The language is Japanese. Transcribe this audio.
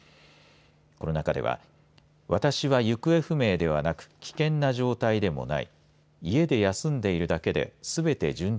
この中では私は行方不明ではなく危険な状態でもない。